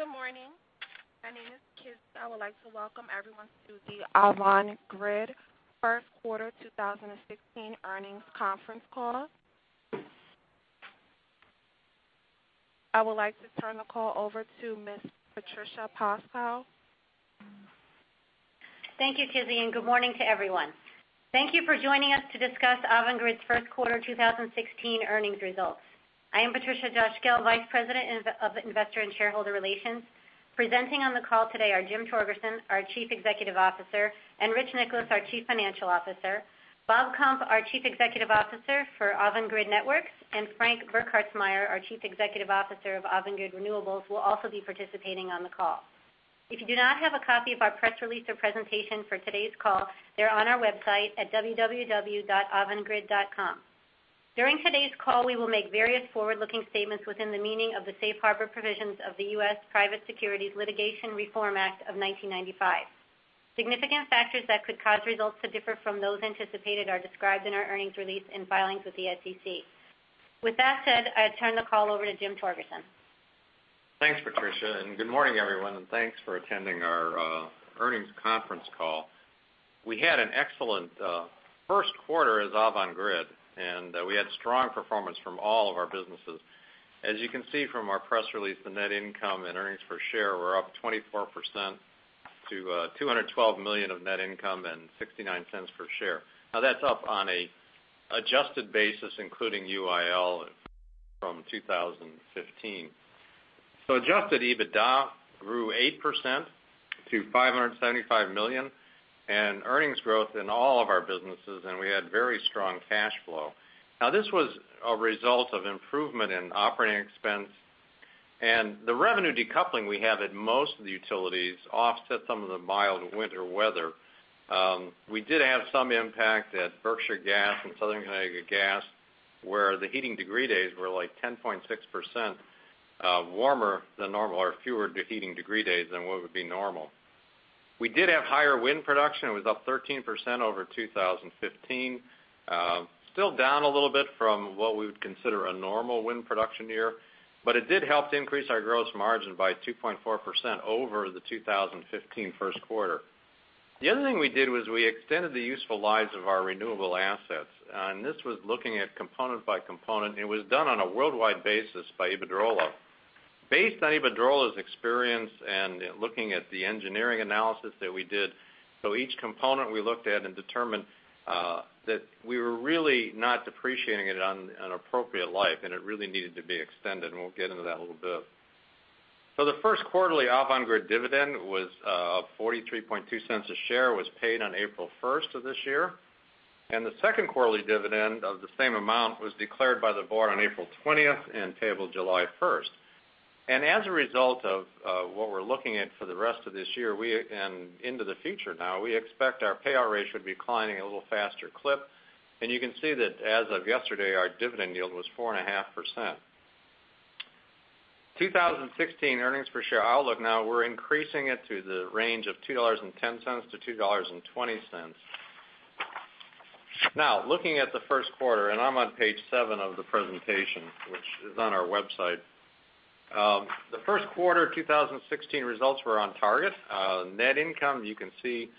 Good morning. My name is Kizzy. I would like to welcome everyone to the Avangrid first quarter 2016 earnings conference call. I would like to turn the call over to Ms. Patricia Cosgel. Thank you, Kizzy, and good morning to everyone. Thank you for joining us to discuss Avangrid's first quarter 2016 earnings results. I am Patricia Cosgel, Vice President of Investor and Shareholder Relations. Presenting on the call today are Jim Torgerson, our Chief Executive Officer, and Rich Nicholas, our Chief Financial Officer. Bob Kump, our Chief Executive Officer for Avangrid Networks, and Frank Burkhartsmeyer, our Chief Executive Officer of Avangrid Renewables, will also be participating on the call. If you do not have a copy of our press release or presentation for today's call, they are on our website at www.avangrid.com. During today's call, we will make various forward-looking statements within the meaning of the Safe Harbor provisions of the U.S. Private Securities Litigation Reform Act of 1995. Significant factors that could cause results to differ from those anticipated are described in our earnings release and filings with the SEC. With that said, I turn the call over to Jim Torgerson. Thanks, Patricia, good morning, everyone, thanks for attending our earnings conference call. We had an excellent first quarter as Avangrid, we had strong performance from all of our businesses. As you can see from our press release, the net income and earnings per share were up 24% to $212 million of net income and $0.69 per share. That's up on an adjusted basis, including UIL from 2015. Adjusted EBITDA grew 8% to $575 million, earnings growth in all of our businesses, and we had very strong cash flow. This was a result of improvement in operating expense. The revenue decoupling we have at most of the utilities offset some of the mild winter weather. We did have some impact at Berkshire Gas and Southern Connecticut Gas, where the heating degree days were 10.6% warmer than normal or fewer heating degree days than what would be normal. We did have higher wind production. It was up 13% over 2015. Still down a little bit from what we would consider a normal wind production year, but it did help to increase our gross margin by 2.4% over the 2015 first quarter. The other thing we did was we extended the useful lives of our renewable assets, and this was looking at component by component, and it was done on a worldwide basis by Iberdrola. Based on Iberdrola's experience and looking at the engineering analysis that we did, each component we looked at and determined that we were really not depreciating it on an appropriate life, and it really needed to be extended, and we'll get into that a little bit. The first quarterly Avangrid dividend was $0.432 a share, was paid on April 1st of this year. The second quarterly dividend of the same amount was declared by the board on April 20th and payable July 1st. As a result of what we're looking at for the rest of this year and into the future now, we expect our payout ratio to be climbing at a little faster clip. You can see that as of yesterday, our dividend yield was 4.5%. 2016 earnings per share outlook. Now we're increasing it to the range of $2.10-$2.20. Looking at the first quarter, and I'm on page seven of the presentation, which is on our website. The first quarter 2016 results were on target. Net income, you can see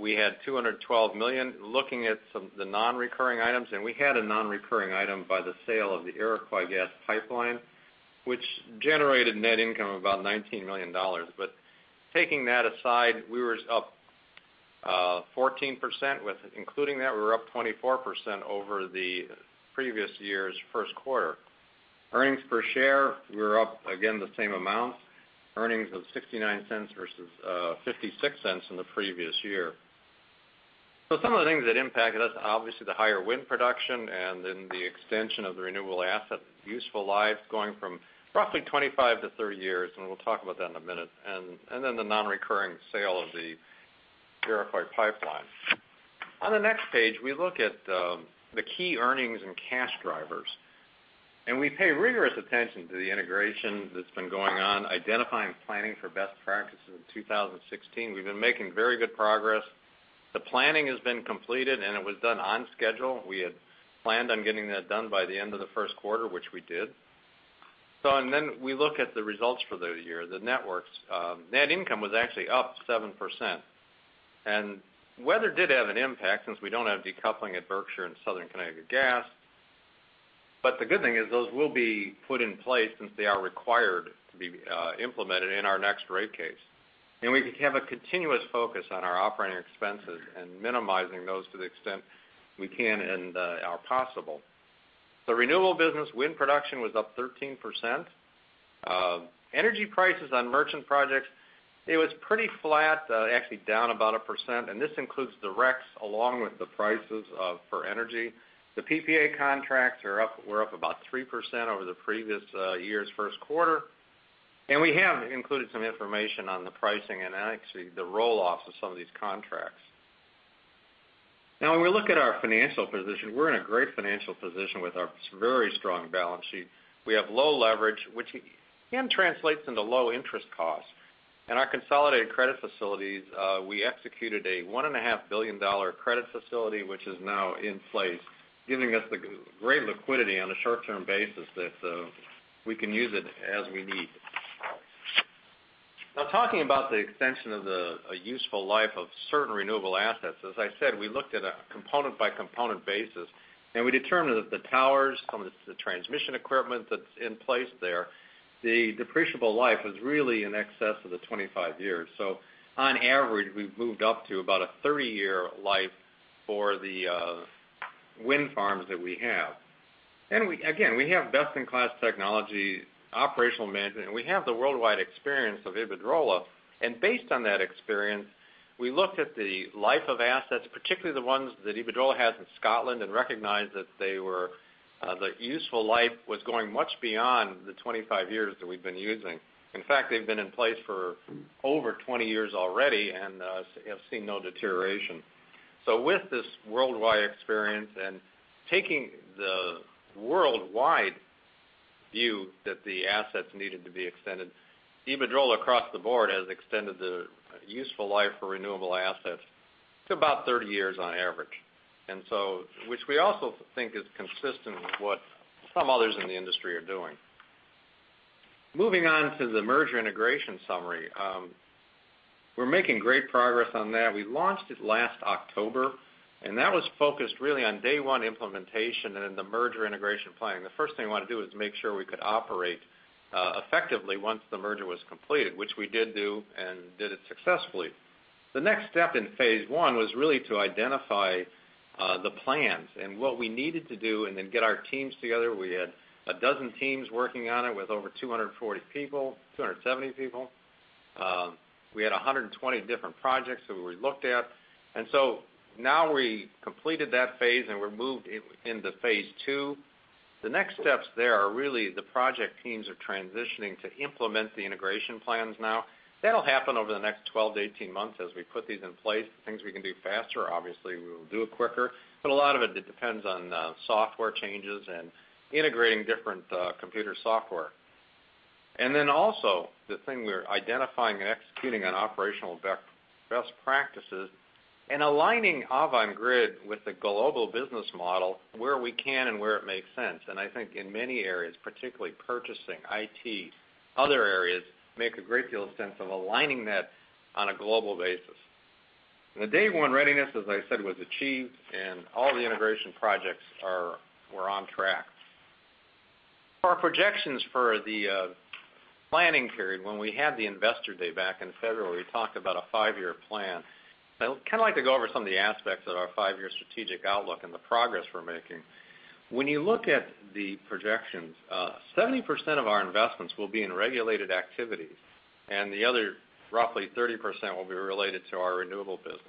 we had $212 million. Looking at some of the non-recurring items, we had a non-recurring item by the sale of the Iroquois Gas Pipeline, which generated net income of about $19 million. Taking that aside, we were up 14% with including that, we were up 24% over the previous year's first quarter. Earnings per share, we were up again the same amount, earnings of $0.69 versus $0.56 in the previous year. Some of the things that impacted us, obviously the higher wind production and then the extension of the renewable asset useful life going from roughly 25-30 years, and we'll talk about that in a minute, and then the non-recurring sale of the Iroquois pipeline. On the next page, we look at the key earnings and cash drivers. We pay rigorous attention to the integration that's been going on, identifying planning for best practices in 2016. We've been making very good progress. The planning has been completed, and it was done on schedule. We had planned on getting that done by the end of the first quarter, which we did. Then we look at the results for the year. The networks' net income was actually up 7%. Weather did have an impact since we don't have decoupling at Berkshire and Southern Connecticut Gas. The good thing is those will be put in place since they are required to be implemented in our next rate case. We have a continuous focus on our operating expenses and minimizing those to the extent we can and are possible. The renewable business wind production was up 13%. Energy prices on merchant projects, it was pretty flat, actually down about 1%, and this includes the RECs along with the prices for energy. The PPA contracts were up about 3% over the previous year's first quarter. We have included some information on the pricing and actually the roll-off of some of these contracts. When we look at our financial position, we're in a great financial position with our very strong balance sheet. We have low leverage, which again translates into low-interest costs. In our consolidated credit facilities, we executed a $1.5 billion credit facility, which is now in place, giving us great liquidity on a short-term basis that we can use as we need. Talking about the extension of the useful life of certain renewable assets, as I said, we looked at a component-by-component basis, we determined that the towers, some of the transmission equipment that's in place there, the depreciable life was really in excess of the 25 years. On average, we've moved up to about a 30-year life for the wind farms that we have. Again, we have best-in-class technology, operational management, and we have the worldwide experience of Iberdrola. Based on that experience, we looked at the life of assets, particularly the ones that Iberdrola has in Scotland, recognized that the useful life was going much beyond the 25 years that we've been using. In fact, they've been in place for over 20 years already and have seen no deterioration. With this worldwide experience and taking the worldwide view that the assets needed to be extended, Iberdrola, across the board, has extended the useful life for renewable assets to about 30 years on average, which we also think is consistent with what some others in the industry are doing. Moving on to the merger integration summary. We're making great progress on that. We launched it last October, that was focused really on day one implementation and the merger integration planning. The first thing we wanted to do was make sure we could operate effectively once the merger was completed, which we did do, and did it successfully. The next step in phase 1 was really to identify the plans and what we needed to do, then get our teams together. We had a dozen teams working on it with over 240 people, 270 people. We had 120 different projects that we looked at. We completed that phase, and we're moved into phase 2. The next steps there are really the project teams are transitioning to implement the integration plans now. That'll happen over the next 12-18 months as we put these in place. The things we can do faster, obviously, we will do it quicker. A lot of it depends on software changes and integrating different computer software. Also, the thing we're identifying and executing on operational best practices and aligning Avangrid with the global business model where we can and where it makes sense. I think in many areas, particularly purchasing, IT, other areas, make a great deal of sense of aligning that on a global basis. The day one readiness, as I said, was achieved, and all the integration projects were on track. For our projections for the planning period, when we had the investor day back in February, we talked about a five-year plan. I would like to go over some of the aspects of our five-year strategic outlook and the progress we're making. When you look at the projections, 70% of our investments will be in regulated activities, and the other roughly 30% will be related to our renewable business.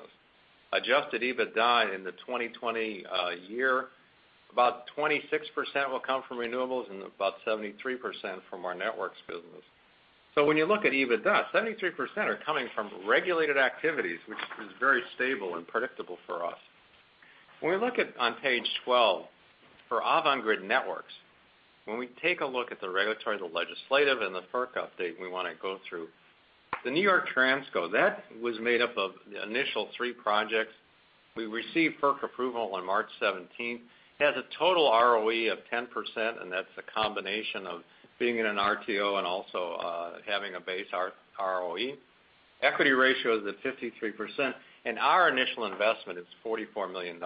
Adjusted EBITDA in the 2020 year, about 26% will come from renewables and about 73% from our networks business. When you look at EBITDA, 73% are coming from regulated activities, which is very stable and predictable for us. When we look at on page 12 for Avangrid Networks, when we take a look at the regulatory, the legislative, and the FERC update we want to go through. The New York Transco, that was made up of the initial three projects. We received FERC approval on March 17th. It has a total ROE of 10%, and that's a combination of being in an RTO and also having a base ROE. Equity ratio is at 53%, and our initial investment is $44 million.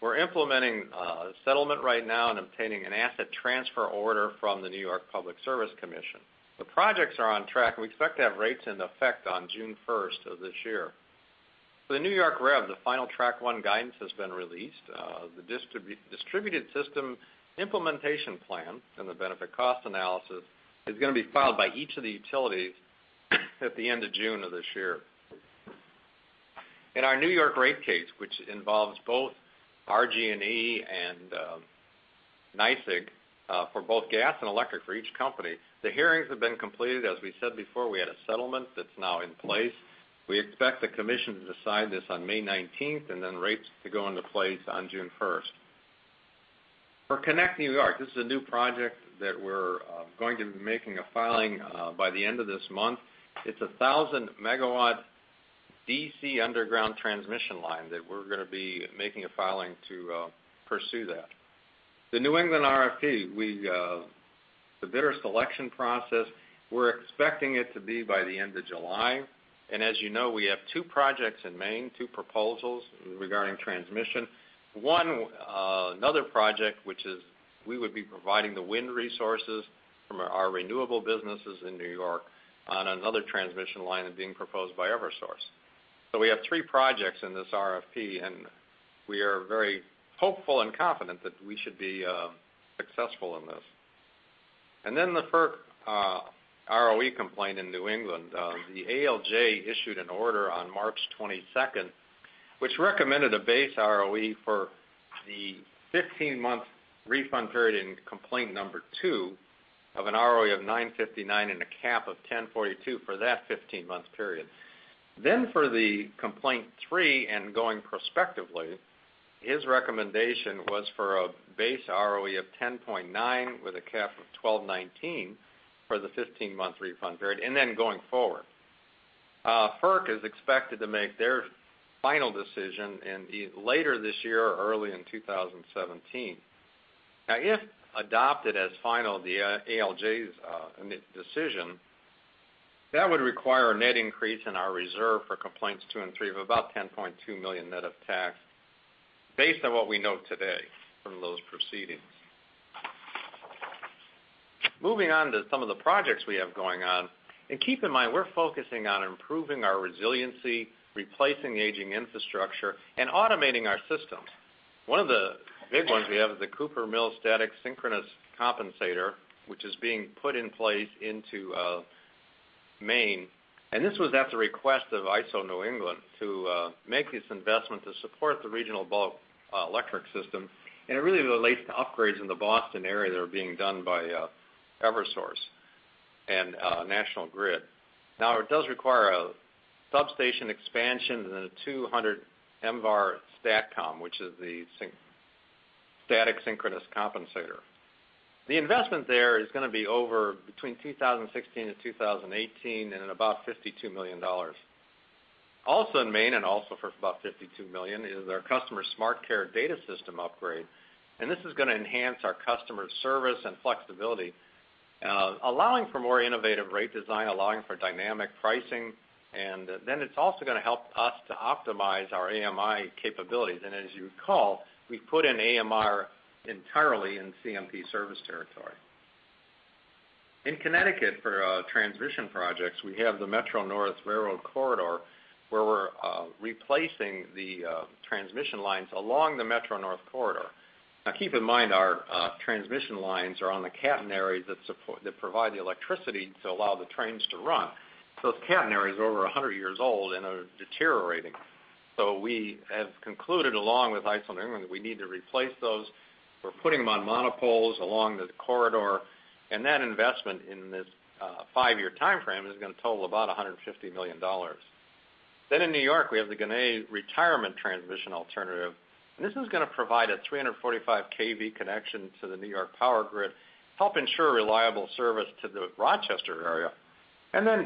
We're implementing a settlement right now and obtaining an asset transfer order from the New York Public Service Commission. The projects are on track, we expect to have rates in effect on June 1st of this year. For the New York REV, the final track one guidance has been released. The distributed system implementation plan and the benefit-cost analysis is going to be filed by each of the utilities at the end of June of this year. In our New York rate case, which involves both RG&E and NYSEG for both gas and electric for each company, the hearings have been completed. We said before, we had a settlement that's now in place. We expect the commission to decide this on May 19th, rates to go into place on June 1st. For Excelsior Connect, this is a new project that we're going to be making a filing by the end of this month. It's a 1,000-megawatt DC underground transmission line that we're going to be making a filing to pursue that. The New England RFP, the bidder selection process, we're expecting it to be by the end of July. As you know, we have two projects in Maine, two proposals regarding transmission. One, another project, which is we would be providing the wind resources from our renewable businesses in New York on another transmission line that's being proposed by Eversource. We have three projects in this RFP, we are very hopeful and confident that we should be successful in this. The FERC ROE complaint in New England. The ALJ issued an order on March 22nd, which recommended a base ROE for the 15-month refund period in complaint number 2 of an ROE of 9.59 and a cap of 10.42 for that 15-month period. For the complaint 3 and going prospectively, his recommendation was for a base ROE of 10.9 with a cap of 12.19 for the 15-month refund period going forward. FERC is expected to make their final decision later this year or early in 2017. If adopted as final, the ALJ's decision, that would require a net increase in our reserve for complaints 2 and 3 of about $10.2 million net of tax, based on what we know today from those proceedings. Moving on to some of the projects we have going on. Keep in mind, we're focusing on improving our resiliency, replacing aging infrastructure, and automating our systems. One of the big ones we have is the Cooper Hill Static Synchronous Compensator, which is being put in place into Maine. This was at the request of ISO New England to make this investment to support the regional bulk electric system. It really relates to upgrades in the Boston area that are being done by Eversource and National Grid. It does require a substation expansion and a 200 MVAR STATCOM, which is the static synchronous compensator. The investment there is going to be between 2016 and 2018 and $52 million. Also in Maine, for about $52 million, is our customer smart care data system upgrade. This is going to enhance our customer service and flexibility, allowing for more innovative rate design, allowing for dynamic pricing. It's also going to help us to optimize our AMI capabilities. As you recall, we put in AMR entirely in CMP service territory. In Connecticut, for our transmission projects, we have the Metro-North Railroad Corridor, where we're replacing the transmission lines along the Metro-North Corridor. Keep in mind, our transmission lines are on the catenaries that provide the electricity to allow the trains to run. The catenary is over 100 years old and are deteriorating. We have concluded, along with ISO New England, that we need to replace those. We're putting them on monopoles along the corridor. That investment in this five-year timeframe is going to total about $150 million. In New York, we have the Ginna Retirement Transmission Alternative, and this is going to provide a 345 kV connection to the New York power grid, help ensure reliable service to the Rochester area.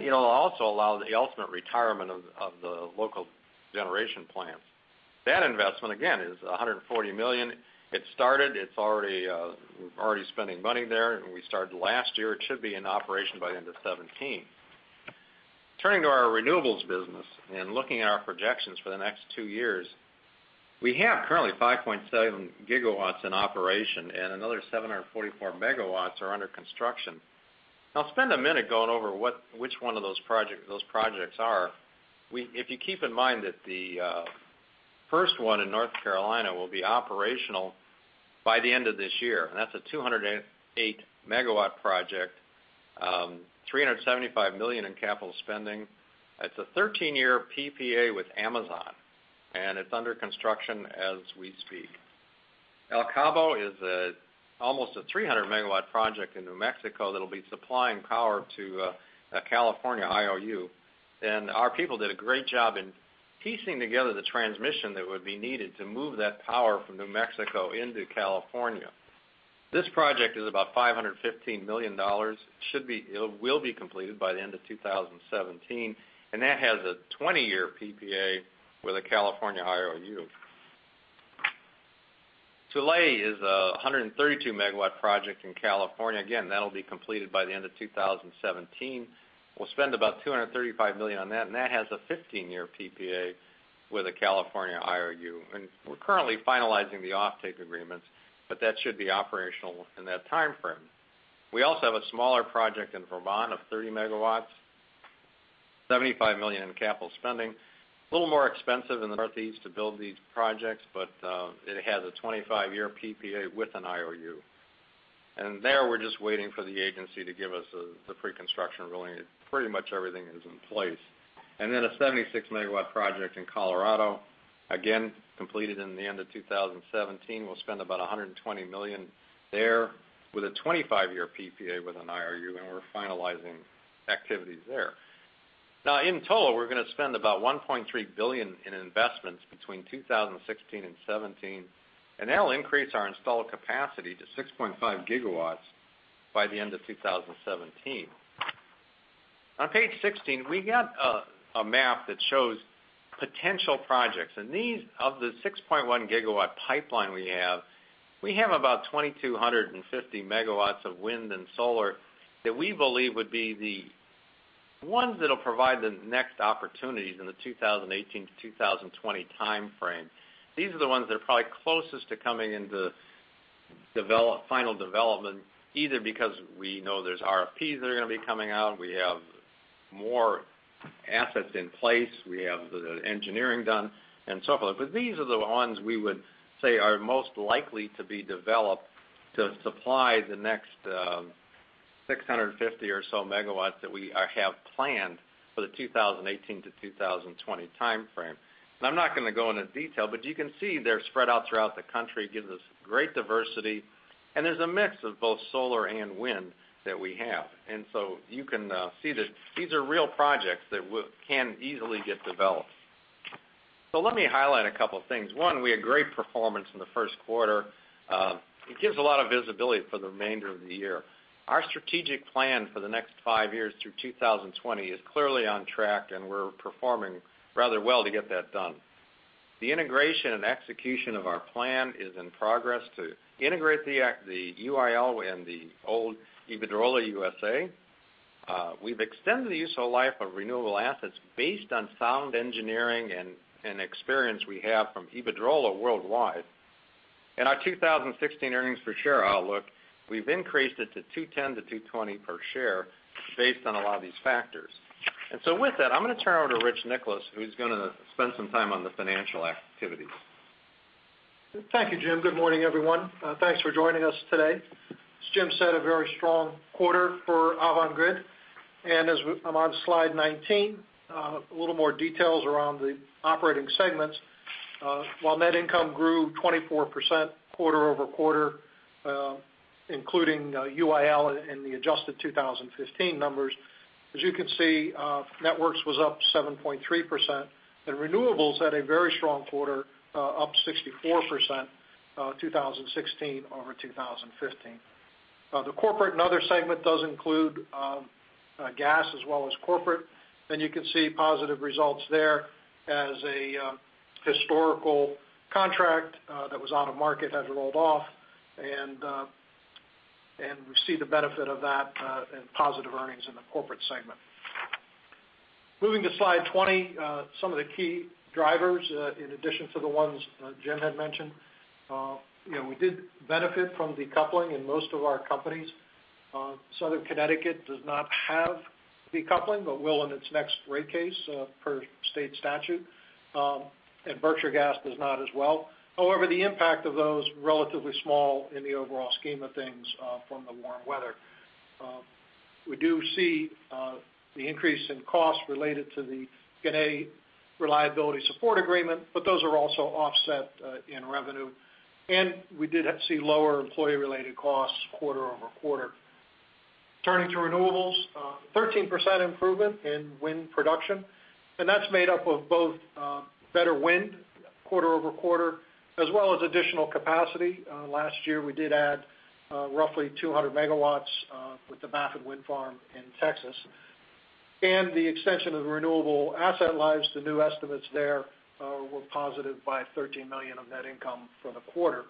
It'll also allow the ultimate retirement of the local generation plant. That investment, again, is $140 million. It's already spending money there. We started last year. It should be in operation by the end of 2017. Turning to our renewables business and looking at our projections for the next two years, we have currently 5.7 gigawatts in operation, and another 744 megawatts are under construction. I'll spend a minute going over which one of those projects are. The first one in North Carolina will be operational by the end of this year, that's a 208-megawatt project, $375 million in capital spending. It's a 13-year PPA with Amazon. It's under construction as we speak. El Cabo is almost a 300-megawatt project in New Mexico that'll be supplying power to a California IOU. Our people did a great job in piecing together the transmission that would be needed to move that power from New Mexico into California. This project is about $515 million. It will be completed by the end of 2017. That has a 20-year PPA with a California IOU. Tule is a 132-megawatt project in California. Again, that'll be completed by the end of 2017. We'll spend about $235 million on that. That has a 15-year PPA with a California IOU. We're currently finalizing the offtake agreements, but that should be operational in that timeframe. We also have a smaller project in Vermont of 30 megawatts, $75 million in capital spending. A little more expensive in the Northeast to build these projects, but it has a 25-year PPA with an IOU. There, we're just waiting for the agency to give us the pre-construction ruling. Pretty much everything is in place. A 76-megawatt project in Colorado, again, completed in the end of 2017. We'll spend about $120 million there with a 25-year PPA with an IOU. We're finalizing activities there. In total, we're going to spend about $1.3 billion in investments between 2016 and 2017. That'll increase our installed capacity to 6.5 gigawatts by the end of 2017. On page 16, we got a map that shows potential projects. These, of the 6.1-gigawatt pipeline we have, we have about 2,250 megawatts of wind and solar that we believe would be the ones that'll provide the next opportunities in the 2018 to 2020 timeframe. These are the ones that are probably closest to coming into final development, either because we know there's RFPs that are going to be coming out, we have more assets in place, we have the engineering done, so forth. These are the ones we would say are most likely to be developed to supply the next 650 or so megawatts that we have planned for the 2018 to 2020 timeframe. I'm not going to go into detail. You can see they're spread out throughout the country, gives us great diversity. There's a mix of both solar and wind that we have. You can see that these are real projects that can easily get developed. Let me highlight a couple of things. One, we had great performance in the first quarter. It gives a lot of visibility for the remainder of the year. Our strategic plan for the next five years through 2020 is clearly on track. We're performing rather well to get that done. The integration and execution of our plan is in progress to integrate the UIL and the old Iberdrola USA. We've extended the useful life of renewable assets based on sound engineering and experience we have from Iberdrola worldwide. Our 2016 earnings per share outlook, we've increased it to $2.10 to $2.20 per share based on a lot of these factors. With that, I'm going to turn it over to Rich Nicholas, who's going to spend some time on the financial activities. Thank you, Jim. Good morning, everyone. Thanks for joining us today. As Jim said, a very strong quarter for Avangrid. As I'm on slide 19, a little more details around the operating segments. While net income grew 24% quarter-over-quarter, including UIL and the adjusted 2015 numbers, as you can see, Networks was up 7.3%, and Renewables had a very strong quarter, up 64% 2016 over 2015. The corporate and other segment does include gas as well as corporate, you can see positive results there as a historical contract that was out of market has rolled off, and we see the benefit of that in positive earnings in the corporate segment. Moving to slide 20, some of the key drivers, in addition to the ones Jim had mentioned. We did benefit from decoupling in most of our companies. The Southern Connecticut Gas Company does not have decoupling, but will in its next rate case per state statute. The Berkshire Gas Company does not as well. However, the impact of those, relatively small in the overall scheme of things from the warm weather. We do see the increase in costs related to the Canadian Reliability Support Agreement, those are also offset in revenue. We did see lower employee-related costs quarter-over-quarter. Turning to Renewables, 13% improvement in wind production. That's made up of both better wind quarter-over-quarter, as well as additional capacity. Last year, we did add roughly 200 megawatts with the Baffin wind farm in Texas. The extension of the renewable asset lives, the new estimates there were positive by $13 million of net income for the quarter.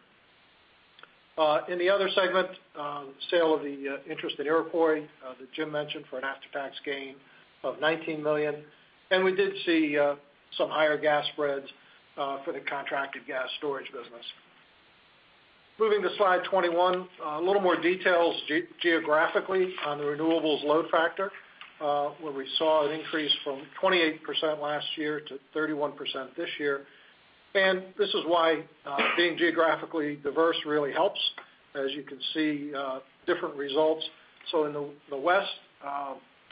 In the other segment, sale of the interest in Iroquois that Jim mentioned for an after-tax gain of $19 million. We did see some higher gas spreads for the contracted gas storage business. Moving to slide 21, a little more details geographically on the Renewables load factor, where we saw an increase from 28% last year to 31% this year. This is why being geographically diverse really helps. You can see, different results. So in the west,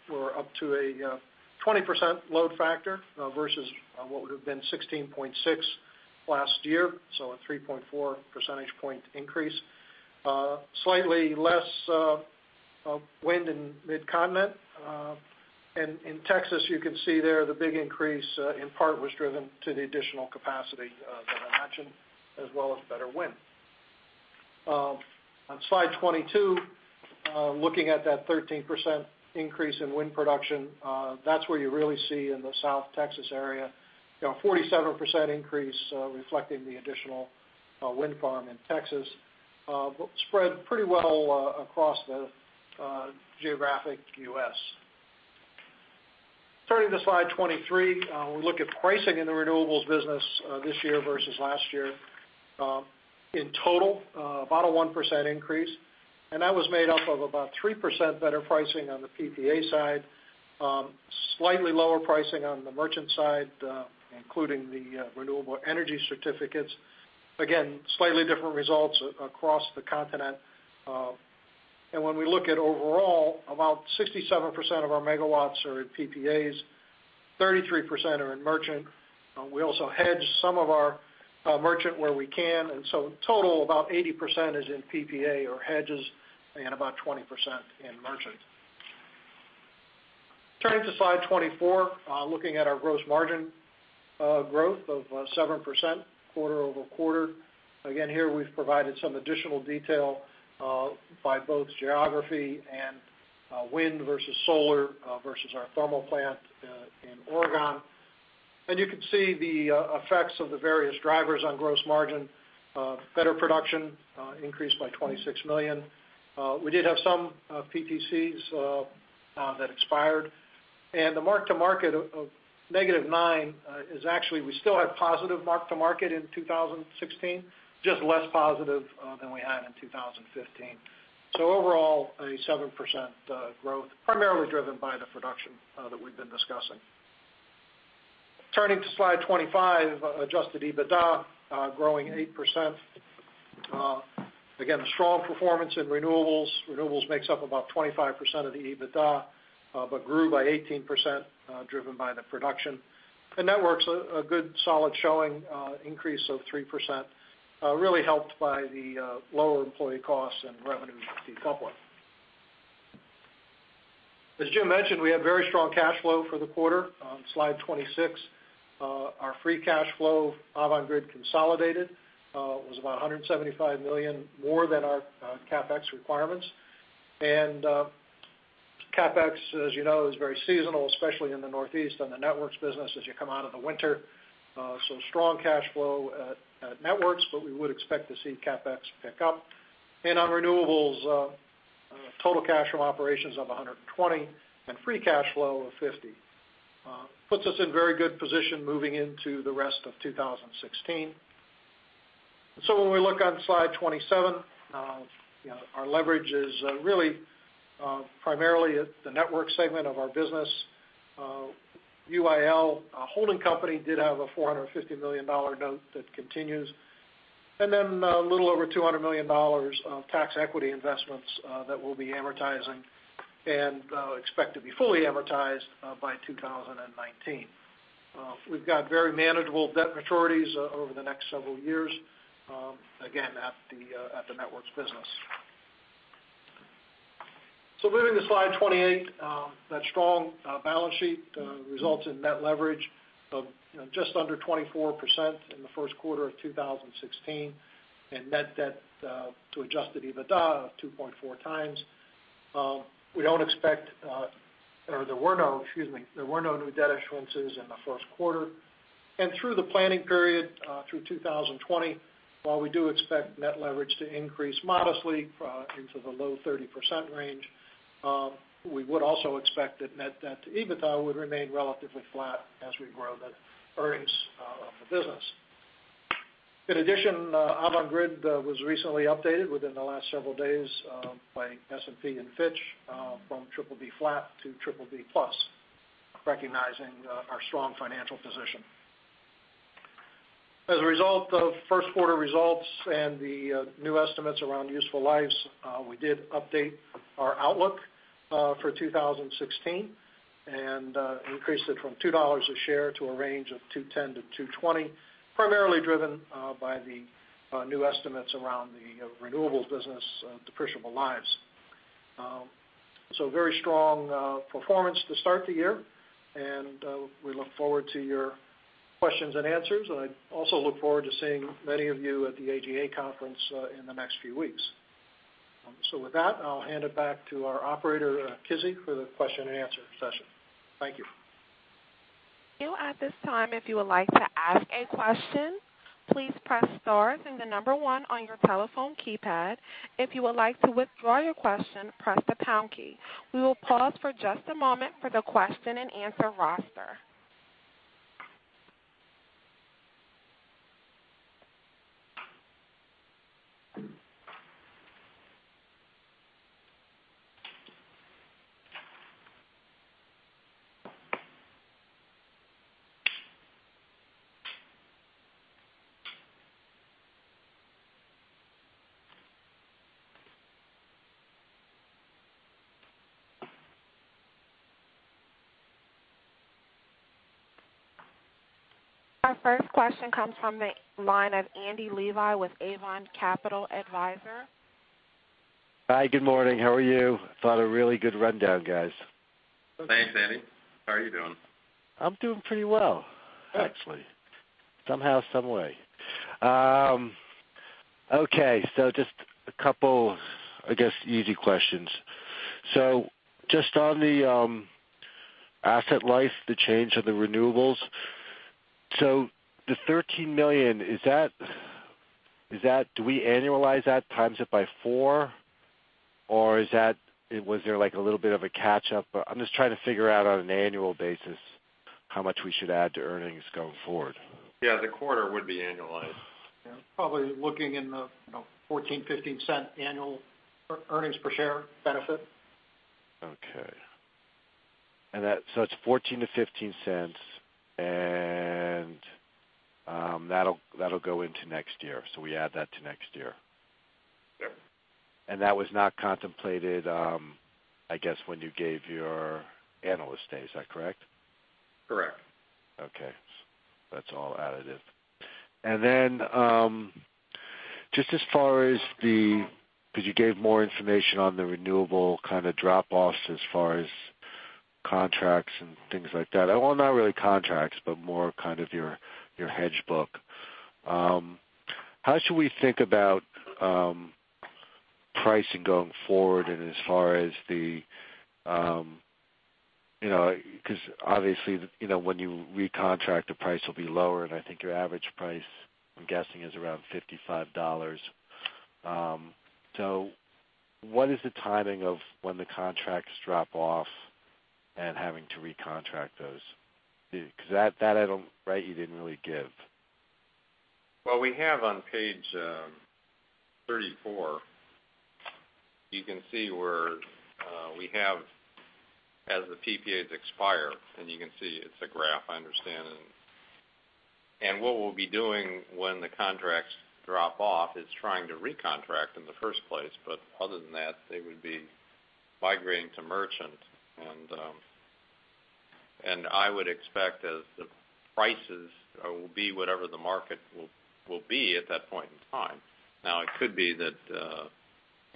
we're up to a 20% load factor versus what would have been 16.6% last year. So a 3.4 percentage point increase. Slightly less wind in mid-continent. In Texas, you can see there the big increase in part was driven to the additional capacity that I mentioned, as well as better wind. On slide 22, looking at that 13% increase in wind production, that's where you really see in the South Texas area, a 47% increase reflecting the additional wind farm in Texas, spread pretty well across the geographic U.S. Turning to slide 23, we look at pricing in the Renewables business this year versus last year. In total, about a 1% increase, that was made up of about 3% better pricing on the PPA side, slightly lower pricing on the merchant side, including the Renewable Energy Certificates. Again, slightly different results across the continent. When we look at overall, about 67% of our megawatts are in PPAs, 33% are in merchant. We also hedge some of our merchant where we can, total, about 80% is in PPA or hedges and about 20% in merchant. Turning to slide 24, looking at our gross margin growth of 7% quarter-over-quarter. Here we've provided some additional detail by both geography and wind versus solar versus our thermal plant in Oregon. You can see the effects of the various drivers on gross margin. Better production increased by $26 million. We did have some PTCs that expired. The mark-to-market of negative $9 is actually, we still have positive mark-to-market in 2016, just less positive than we had in 2015. Overall, a 7% growth, primarily driven by the production that we've been discussing. Turning to slide 25, adjusted EBITDA growing 8%. Strong performance in renewables. Renewables makes up about 25% of the EBITDA, but grew by 18%, driven by the production. Networks, a good solid showing, increase of 3%, really helped by the lower employee costs and revenue decoupling. As Jim mentioned, we have very strong cash flow for the quarter. On slide 26, our free cash flow, Avangrid consolidated, was about $175 million more than our CapEx requirements. CapEx, as you know, is very seasonal, especially in the Northeast on the networks business as you come out of the winter. Strong cash flow at networks, but we would expect to see CapEx pick up. On renewables, total cash from operations of $120 million and free cash flow of $50 million puts us in very good position moving into the rest of 2016. When we look on slide 27, our leverage is really primarily at the network segment of our business. UIL, our holding company, did have a $450 million note that continues. Then a little over $200 million of tax equity investments that we'll be amortizing and expect to be fully amortized by 2019. We've got very manageable debt maturities over the next several years, again, at the networks business. Moving to slide 28, that strong balance sheet results in net leverage of just under 24% in the first quarter of 2016 and net debt to adjusted EBITDA of 2.4 times. There were no new debt issuances in the first quarter. Through the planning period through 2020, while we do expect net leverage to increase modestly into the low 30% range, we would also expect that net debt to EBITDA would remain relatively flat as we grow the earnings of the business. In addition, Avangrid was recently updated within the last several days by S&P and Fitch from BBB flat to BBB plus, recognizing our strong financial position. As a result of first quarter results and the new estimates around useful lives, we did update our outlook for 2016 and increased it from $2 a share to a range of $2.10-$2.20, primarily driven by the new estimates around the renewables business depreciable lives. Very strong performance to start the year, and we look forward to your questions and answers. I also look forward to seeing many of you at the AGA conference in the next few weeks. With that, I'll hand it back to our operator, Kizzy, for the question and answer session. Thank you. At this time, if you would like to ask a question, please press star then the number one on your telephone keypad. If you would like to withdraw your question, press the pound key. We will pause for just a moment for the question and answer roster. Our first question comes from the line of Andy Levi with Avon Capital Advisors. Hi, good morning. How are you? I thought a really good rundown, guys. Thanks, Andy. How are you doing? I'm doing pretty well, actually. Somehow, some way. Just a couple, I guess, easy questions. Just on the asset life, the change of the renewables. The $13 million, do we annualize that, times it by four? Was there like a little bit of a catch-up? I'm just trying to figure out on an annual basis how much we should add to earnings going forward. Yeah, the quarter would be annualized. Yeah. Probably looking in the $0.14-$0.15 annual earnings per share benefit. Okay. It's $0.14-$0.15, and that'll go into next year. We add that to next year. Yes. That was not contemplated, I guess, when you gave your analyst day, is that correct? Correct. Okay. That's all additive. Then, just as far as the, because you gave more information on the renewable kind of drop-offs as far as contracts and things like that. Well, not really contracts, but more kind of your hedge book. How should we think about pricing going forward and as far as the, because obviously, when you recontract, the price will be lower, and I think your average price, I'm guessing, is around $55. What is the timing of when the contracts drop off and having to recontract those? Because that item, right, you didn't really give. Well, we have on page 34, you can see where we have as the PPAs expire, and you can see it's a graph, I understand. What we'll be doing when the contracts drop off is trying to recontract in the first place. Other than that, they would be migrating to merchant. I would expect as the prices will be whatever the market will be at that point in time. Now, it could be that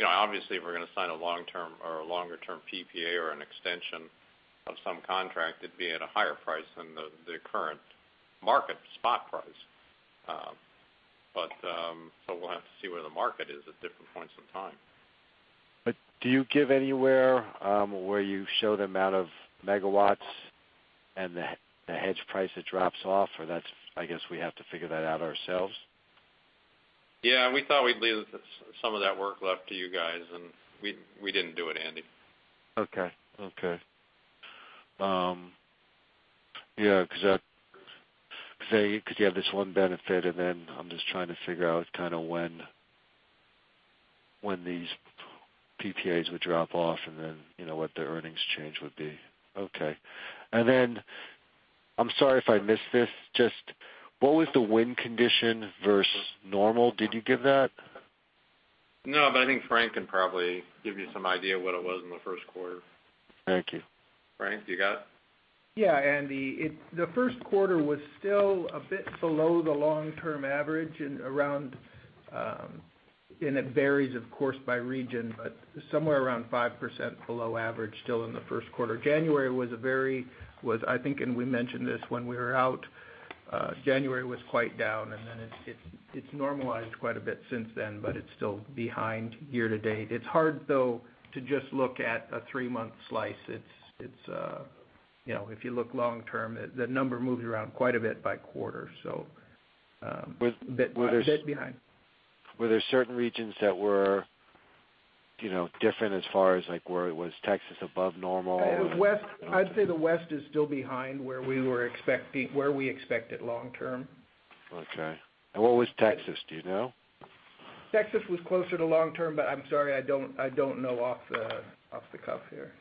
obviously if we're going to sign a long-term or a longer-term PPA or an extension of some contract, it'd be at a higher price than the current market spot price. We'll have to see where the market is at different points in time. Do you give anywhere where you show the amount of megawatts and the hedge price that drops off or that's, I guess we have to figure that out ourselves? Yeah, we thought we'd leave some of that work left to you guys, and we didn't do it, Andy. Okay. Because you have this one benefit and then I'm just trying to figure out kind of when these PPAs would drop off and then, what the earnings change would be. Okay. I'm sorry if I missed this, just what was the wind condition versus normal? Did you give that? No, I think Frank can probably give you some idea what it was in the first quarter. Thank you. Frank, you got it? Yeah, Andy. The first quarter was still a bit below the long-term average and around, it varies of course by region, but somewhere around 5% below average still in the first quarter. January was quite down, and we mentioned this when we were out, and then it's normalized quite a bit since then, but it's still behind year to date. It's hard though, to just look at a three-month slice. If you look long-term, the number moves around quite a bit by quarter, a bit behind. Were there certain regions that were different as far as like where it was Texas above normal? I'd say the West is still behind where we expect it long term. Okay. What was Texas, do you know? Texas was closer to long term. I'm sorry, I don't know off the cuff here.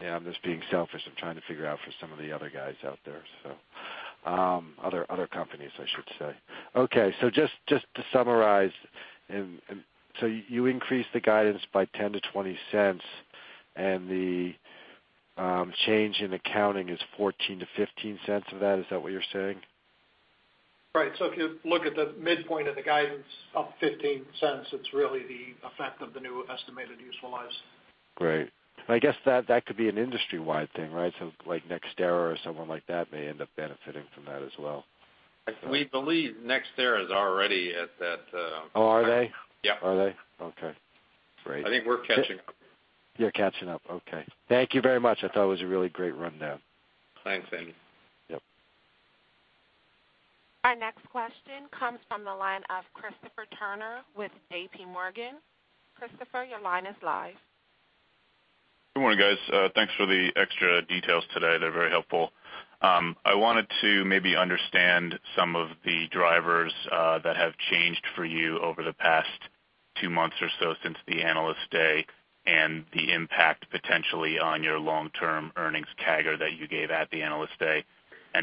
Yeah, I'm just being selfish. I'm trying to figure out for some of the other guys out there. Other companies, I should say. Okay. Just to summarize, you increased the guidance by $0.10-$0.20 and the change in accounting is $0.14-$0.15 of that. Is that what you're saying? Right. If you look at the midpoint of the guidance up $0.15, it's really the effect of the new estimated useful lives. Great. I guess that could be an industry-wide thing, right? Like NextEra or someone like that may end up benefiting from that as well. We believe NextEra is already at. Oh, are they? Yeah. Are they? Okay, great. I think we're catching up. You're catching up. Okay. Thank you very much. I thought it was a really great rundown. Thanks, Andy. Yep. Our next question comes from the line of Christopher Turner with JP Morgan. Christopher, your line is live. Good morning, guys. Thanks for the extra details today. They're very helpful. I wanted to maybe understand some of the drivers that have changed for you over the past two months or so since the Analyst Day and the impact potentially on your long-term earnings CAGR that you gave at the Analyst Day.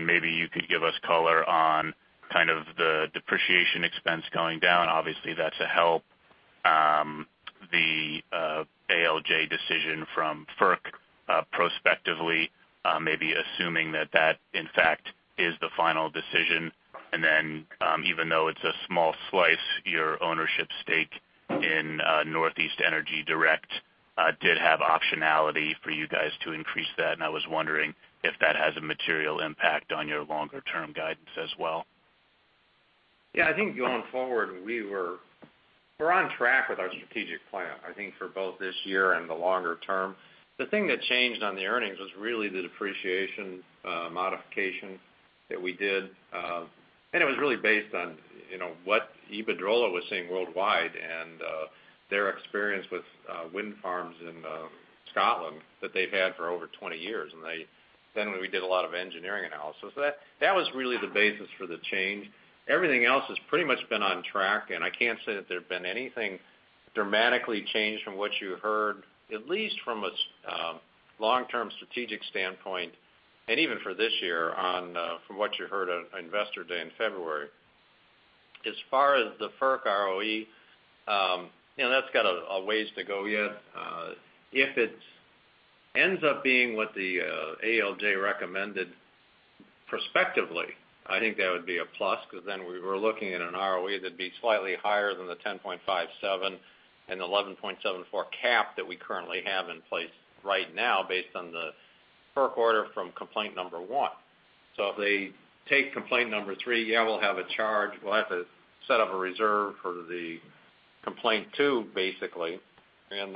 Maybe you could give us color on kind of the depreciation expense going down. Obviously, that's a help. The ALJ decision from FERC, prospectively, maybe assuming that that in fact is the final decision. Then, even though it's a small slice, your ownership stake in Northeast Energy Direct did have optionality for you guys to increase that, and I was wondering if that has a material impact on your longer-term guidance as well. I think going forward, we're on track with our strategic plan, I think for both this year and the longer term. The thing that changed on the earnings was really the depreciation modification that we did. It was really based on what Iberdrola was seeing worldwide and their experience with wind farms in Scotland that they've had for over 20 years. Then we did a lot of engineering analysis. That was really the basis for the change. Everything else has pretty much been on track, and I can't say that there've been anything dramatically changed from what you heard, at least from a long-term strategic standpoint, and even for this year on from what you heard on Investor Day in February. As far as the FERC ROE, that's got a ways to go yet. If it ends up being what the ALJ recommended prospectively, I think that would be a plus because then we were looking at an ROE that'd be slightly higher than the 10.57 and 11.74 cap that we currently have in place right now based on the FERC order from complaint number 1. If they take complaint number 3, we'll have a charge. We'll have to set up a reserve for the complaint 2, basically. Then,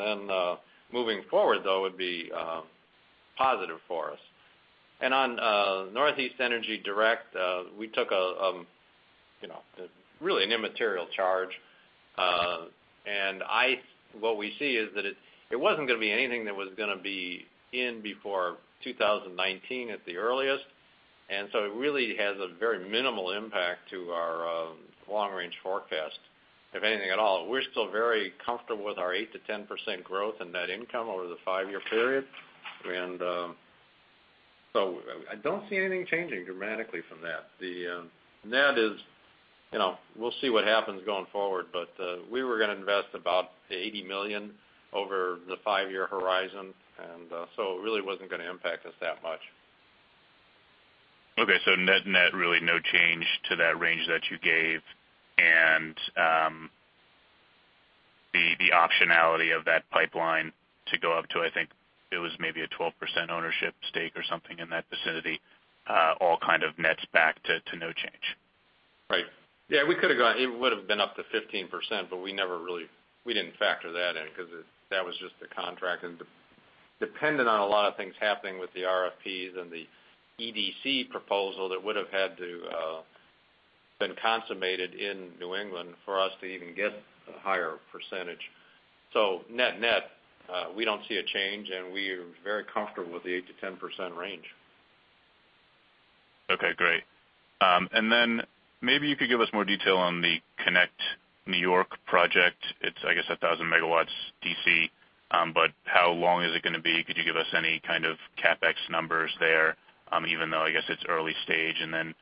moving forward, though, would be positive for us. On Northeast Energy Direct, we took really an immaterial charge. What we see is that it wasn't going to be anything that was going to be in before 2019 at the earliest. It really has a very minimal impact to our long-range forecast, if anything at all. We're still very comfortable with our 8%-10% growth in net income over the five-year period. I don't see anything changing dramatically from that. The net is We'll see what happens going forward, but we were going to invest about $80 million over the five-year horizon, so it really wasn't going to impact us that much. Okay. Net really no change to that range that you gave and the optionality of that pipeline to go up to, I think, it was maybe a 12% ownership stake or something in that vicinity, all kind of nets back to no change. Right. Yeah, it would've been up to 15%, but we didn't factor that in because that was just the contract and depended on a lot of things happening with the RFPs and the EDC proposal that would've had to have been consummated in New England for us to even get a higher percentage. Net, we don't see a change, and we are very comfortable with the 8%-10% range. Okay, great. Then maybe you could give us more detail on the Excelsior Connect project. It's, I guess, 1,000 megawatts DC, how long is it going to be? Could you give us any kind of CapEx numbers there, even though I guess it's early stage, then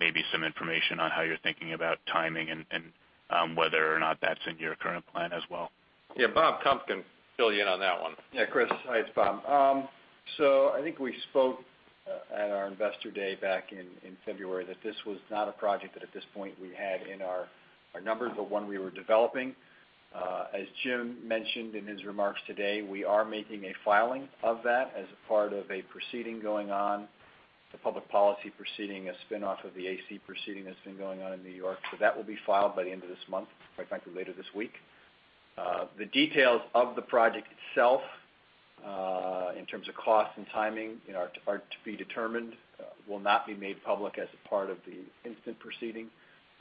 maybe some information on how you're thinking about timing and whether or not that's in your current plan as well? Yeah. Bob Kump can fill you in on that one. Yeah, Chris. Hi, it's Bob. I think we spoke at our investor day back in February that this was not a project that at this point we had in our numbers, one we were developing. As Jim mentioned in his remarks today, we are making a filing of that as a part of a proceeding going on, the public policy proceeding, a spinoff of the AC proceeding that's been going on in New York. That will be filed by the end of this month, quite frankly, later this week. The details of the project itself, in terms of cost and timing, are to be determined, will not be made public as a part of the instant proceeding,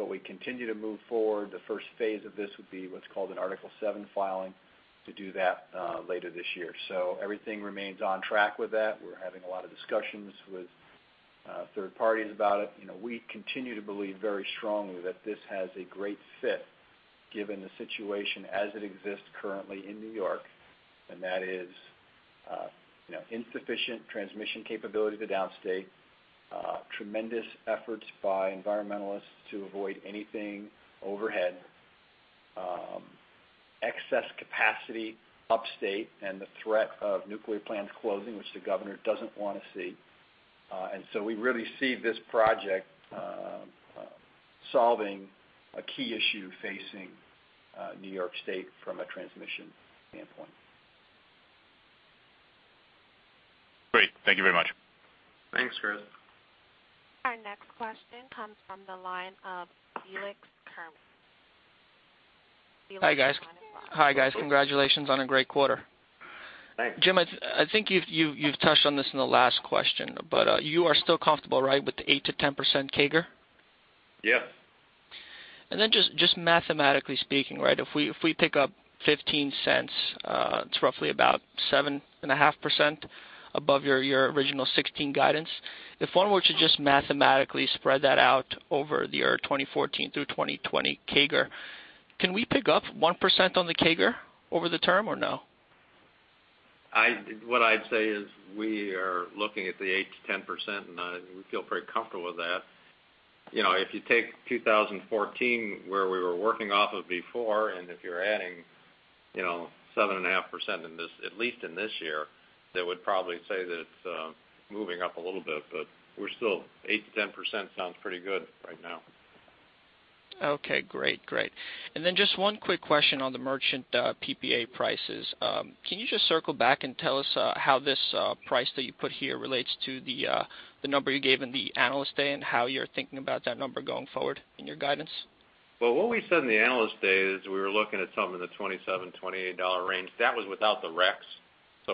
we continue to move forward. The first phase of this would be what's called an Article VII filing to do that later this year. Everything remains on track with that. We're having a lot of discussions with third parties about it. We continue to believe very strongly that this has a great fit given the situation as it exists currently in New York, and that is insufficient transmission capability to downstate, tremendous efforts by environmentalists to avoid anything overhead, excess capacity upstate, and the threat of nuclear plants closing, which the governor doesn't want to see. We really see this project solving a key issue facing New York State from a transmission standpoint. Great. Thank you very much. Thanks, Chris. Our next question comes from the line of Felix Keram. Felix, your line is now open. Hi, guys. Congratulations on a great quarter. Thanks. Jim, I think you've touched on this in the last question, but you are still comfortable, right, with the 8% to 10% CAGR? Yeah. Just mathematically speaking, if we pick up $0.15, it's roughly about 7.5% above your original 16 guidance. If one were to just mathematically spread that out over the year 2014 through 2020 CAGR, can we pick up 1% on the CAGR over the term or no? What I'd say is we are looking at the 8% to 10%, and we feel pretty comfortable with that. If you take 2014, where we were working off of before, and if you're adding 7.5% at least in this year, that would probably say that it's moving up a little bit, but we're still 8% to 10% sounds pretty good right now. Okay, great. Just one quick question on the merchant PPA prices. Can you just circle back and tell us how this price that you put here relates to the number you gave in the Analyst Day, and how you're thinking about that number going forward in your guidance? What we said in the Analyst Day is we were looking at something in the $27, $28 range. That was without the RECs.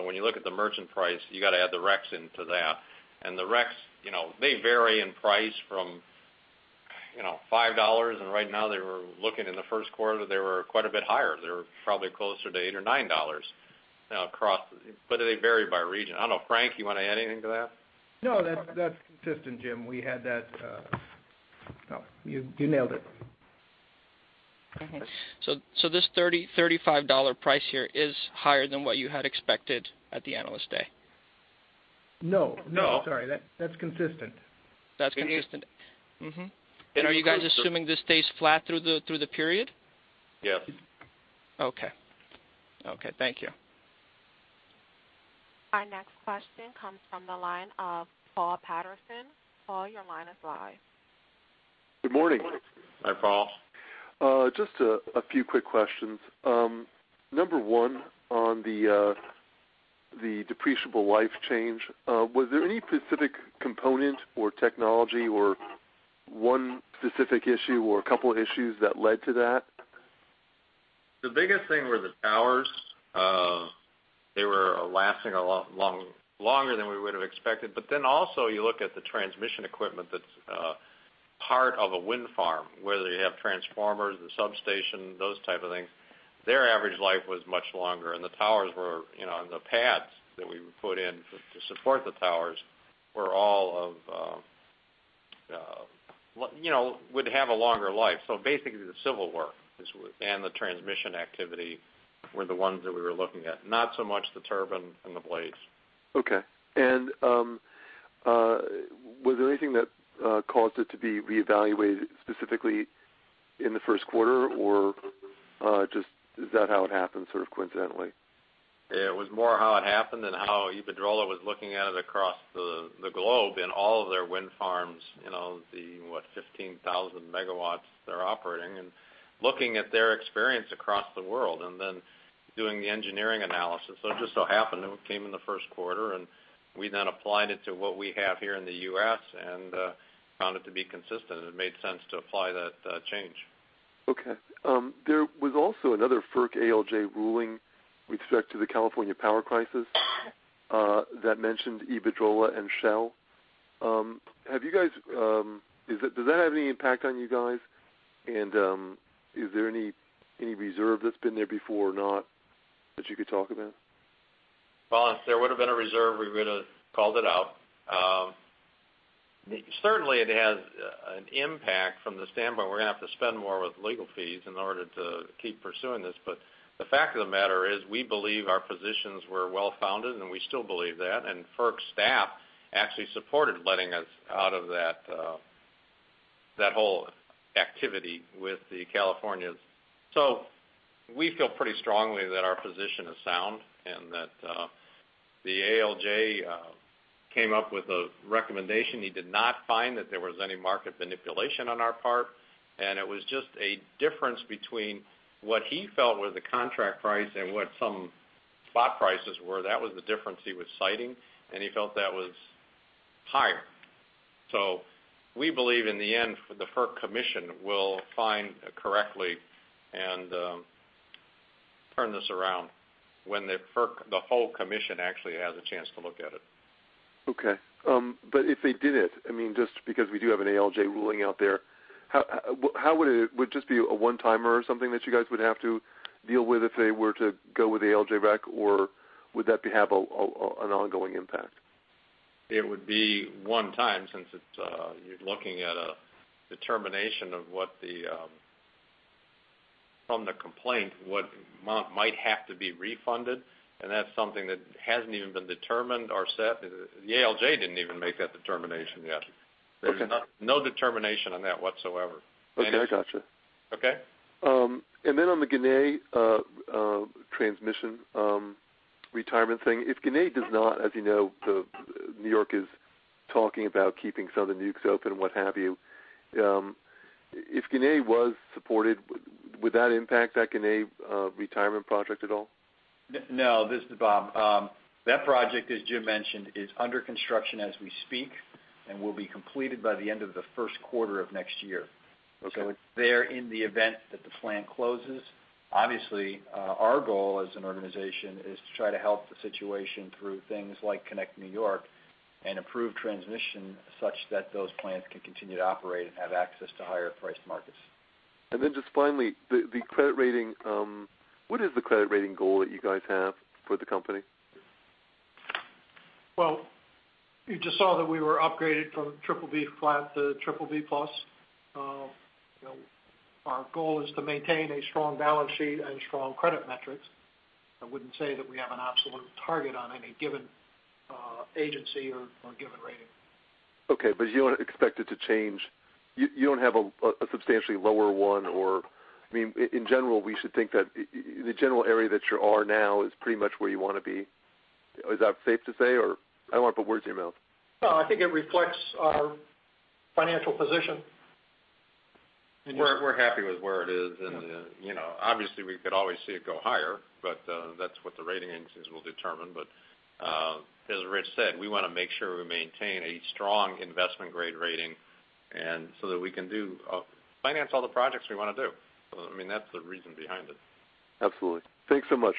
When you look at the merchant price, you got to add the RECs into that. The RECs, they vary in price from $5, and right now they were looking in the first quarter, they were quite a bit higher. They were probably closer to $8 or $9 but they vary by region. I don't know, Frank, you want to add anything to that? No, that's consistent, Jim. We had that. No, you nailed it. Okay. This $35 price here is higher than what you had expected at the Analyst Day? No. No. I'm sorry. That's consistent. That's consistent. Are you guys assuming this stays flat through the period? Yeah. Okay. Thank you. Our next question comes from the line of Paul Patterson. Paul, your line is live. Good morning. Hi, Paul. Just a few quick questions. Number 1, on the depreciable life change, was there any specific component or technology or one specific issue or a couple issues that led to that? The biggest thing were the towers. They were lasting a lot longer than we would've expected. Also you look at the transmission equipment that's part of a wind farm, whether you have transformers, the substation, those type of things. Their average life was much longer, and the towers and the pads that we would put in to support the towers would have a longer life. Basically, the civil work and the transmission activity were the ones that we were looking at, not so much the turbine and the blades. Okay. Was there anything that caused it to be reevaluated specifically in the first quarter, or just is that how it happened sort of coincidentally? It was more how it happened and how Iberdrola was looking at it across the globe in all of their wind farms, the what, 15,000 megawatts they're operating, looking at their experience across the world and then doing the engineering analysis. It just so happened it came in the first quarter, and we then applied it to what we have here in the U.S. and found it to be consistent, and it made sense to apply that change. Okay. There was also another FERC ALJ ruling with respect to the California power crisis that mentioned Iberdrola and Shell. Does that have any impact on you guys? Is there any reserve that's been there before or not that you could talk about? Well, if there would've been a reserve, we would've called it out. Certainly it has an impact from the standpoint we're going to have to spend more with legal fees in order to keep pursuing this. The fact of the matter is, we believe our positions were well-founded, and we still believe that. FERC staff actually supported letting us out of that whole activity with the Californians. We feel pretty strongly that our position is sound and that the ALJ came up with a recommendation. He did not find that there was any market manipulation on our part, and it was just a difference between what he felt was the contract price and what some spot prices were. That was the difference he was citing, and he felt that was higher. We believe in the end, the FERC commission will find correctly and turn this around when the whole commission actually has a chance to look at it. Okay. If they didn't, just because we do have an ALJ ruling out there, would it just be a one-timer or something that you guys would have to deal with if they were to go with the ALJ rec, or would that have an ongoing impact? It would be one time, since you're looking at a determination from the complaint what might have to be refunded, and that's something that hasn't even been determined or set. The ALJ didn't even make that determination yet. Okay. There's no determination on that whatsoever. Okay, gotcha. Okay? Then on the Ginna transmission retirement thing, if Ginna does not, as you know, New York is talking about keeping some of the nucs open, what have you. If Ginna was supported, would that impact that Ginna retirement project at all? No. This is Bob. That project, as Jim mentioned, is under construction as we speak and will be completed by the end of the first quarter of next year. Okay. It's there in the event that the plant closes. Obviously, our goal as an organization is to try to help the situation through things like Connect New York and improve transmission such that those plants can continue to operate and have access to higher-priced markets. Just finally, the credit rating. What is the credit rating goal that you guys have for the company? You just saw that we were upgraded from Triple B flat to Triple B plus. Our goal is to maintain a strong balance sheet and strong credit metrics. I wouldn't say that we have an absolute target on any given agency or a given rating. You don't expect it to change. You don't have a substantially lower one or, in general, we should think that the general area that you are now is pretty much where you want to be. Is that safe to say, or I don't want to put words in your mouth. I think it reflects our financial position. We're happy with where it is, obviously we could always see it go higher, that's what the rating agencies will determine. As Rich said, we want to make sure we maintain a strong investment-grade rating so that we can finance all the projects we want to do. That's the reason behind it. Absolutely. Thanks so much.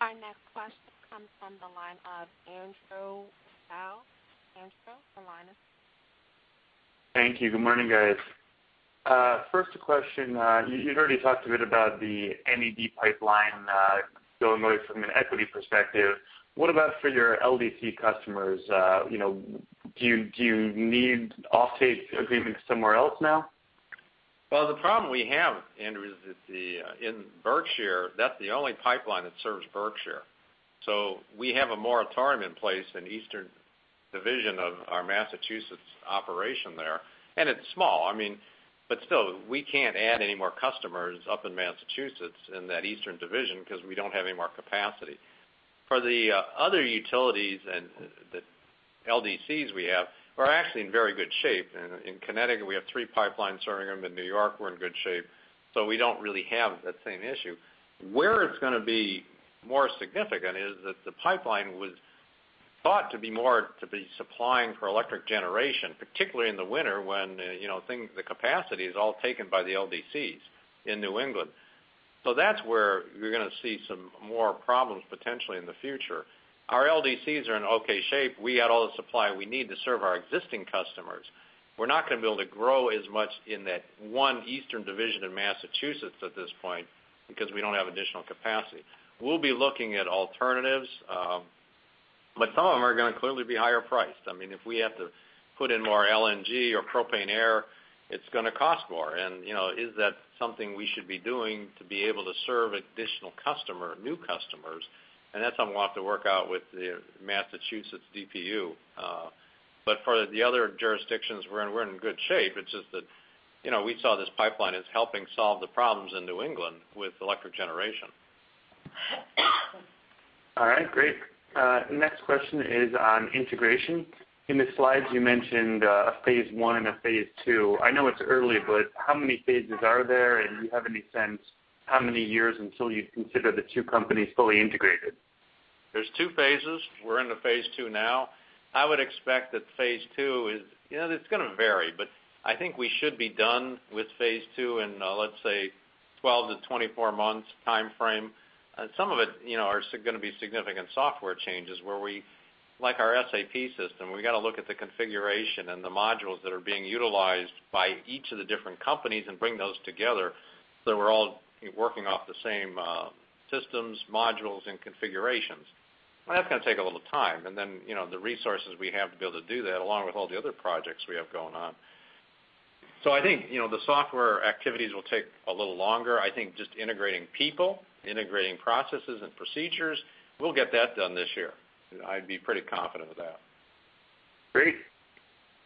Our next question comes from the line of Andrew Su. Thank you. Good morning, guys. First a question. You'd already talked a bit about the NED pipeline going away from an equity perspective. What about for your LDC customers? Do you need offtake agreements somewhere else now? The problem we have, Andrew, is in Berkshire, that's the only pipeline that serves Berkshire. We have a moratorium in place in the eastern division of our Massachusetts operation there, and it's small. Still, we can't add any more customers up in Massachusetts in that eastern division because we don't have any more capacity. For the other utilities and the LDCs we have, we're actually in very good shape. In Connecticut, we have three pipelines serving them. In New York, we're in good shape. We don't really have that same issue. Where it's going to be more significant is that the pipeline was thought to be more to be supplying for electric generation, particularly in the winter when the capacity is all taken by the LDCs in New England. That's where you're going to see some more problems potentially in the future. Our LDCs are in okay shape. We got all the supply we need to serve our existing customers. We're not going to be able to grow as much in that one eastern division in Massachusetts at this point because we don't have additional capacity. We'll be looking at alternatives. Some of them are going to clearly be higher priced. If we have to put in more LNG or propane air, it's going to cost more. Is that something we should be doing to be able to serve additional customer, new customers? That's something we'll have to work out with the Massachusetts DPU. For the other jurisdictions, we're in good shape. It's just that we saw this pipeline as helping solve the problems in New England with electric generation. All right, great. Next question is on integration. In the slides, you mentioned a phase 1 and a phase 2. I know it's early, but how many phases are there? Do you have any sense how many years until you'd consider the two companies fully integrated? There's two phases. We're into phase 2 now. I would expect that phase 2. It's going to vary, but I think we should be done with phase 2 in, let's say, 12 to 24 months timeframe. Some of it are going to be significant software changes where we, like our SAP system, we've got to look at the configuration and the modules that are being utilized by each of the different companies and bring those together so we're all working off the same systems, modules, and configurations. That's going to take a little time. Then, the resources we have to be able to do that, along with all the other projects we have going on. I think the software activities will take a little longer. I think just integrating people, integrating processes and procedures, we'll get that done this year. I'd be pretty confident with that. Great.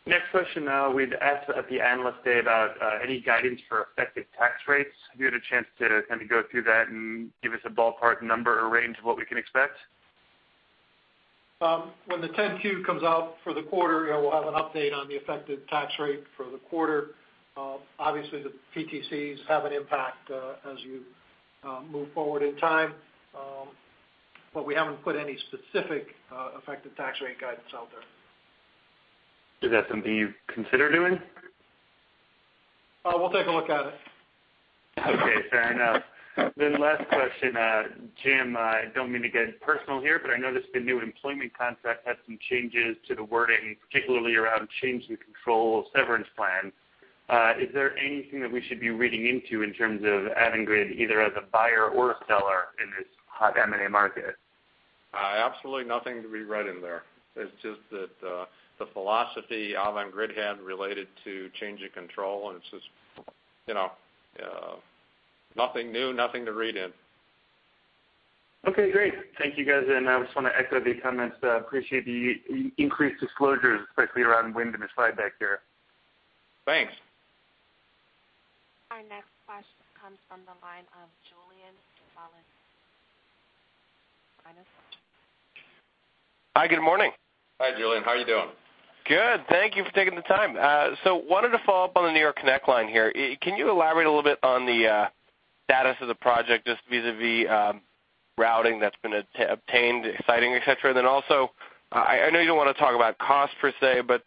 Next question now. We'd asked at the analyst day about any guidance for effective tax rates. Have you had a chance to kind of go through that and give us a ballpark number or range of what we can expect? When the 10-Q comes out for the quarter, we'll have an update on the effective tax rate for the quarter. Obviously, the PTCs have an impact as you move forward in time. We haven't put any specific effective tax rate guidance out there. Is that something you'd consider doing? We'll take a look at it. Okay, fair enough. Last question. Jim, I don't mean to get personal here, but I noticed the new employment contract had some changes to the wording, particularly around change in control of severance plans. Is there anything that we should be reading into in terms of Avangrid either as a buyer or a seller in this hot M&A market? Absolutely nothing to be read in there. It's just that the philosophy Avangrid had related to change of control, and it's just nothing new, nothing to read in. Okay, great. Thank you, guys. I just want to echo the comments. Appreciate the increased disclosures, especially around wind and the slide back there. Thanks. Our next question comes from the line of Julien Dumoulin-Smith. Julien? Hi, good morning. Hi, Julien. How are you doing? Good. Thank you for taking the time. Wanted to follow up on the Excelsior Connect line here. Can you elaborate a little bit on the status of the project, just vis-a-vis routing that's been obtained, siting, et cetera? Also, I know you don't want to talk about cost per se, but